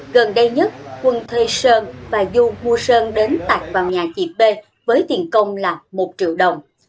gần đây nhất quân thuê sơn và du mua sơn đến tạc vào nhà chị b với tiền công là một triệu đồng